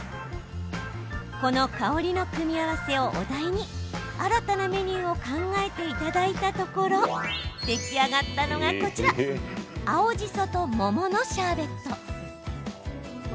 この香りの組み合わせをお題に新たなメニューを考えていただいたところ出来上がったのが、こちら青じそと桃のシャーベット。